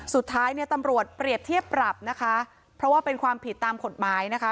สุดท้ายเนี่ยตำรวจเปรียบเทียบปรับนะคะเพราะว่าเป็นความผิดตามกฎหมายนะคะ